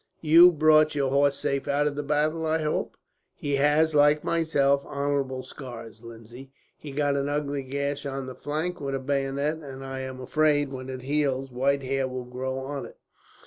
"You brought your horse safe out of the battle, I hope?" "He has, like myself, honourable scars, Lindsay. He got an ugly gash on the flank with a bayonet; and I am afraid, when it heals, white hair will grow on it.